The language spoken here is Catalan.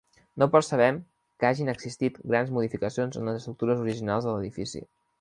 No percebem que hagin existit grans modificacions en les estructures originals de l'edifici.